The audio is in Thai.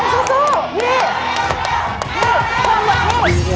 เห็นไหมเนี่ย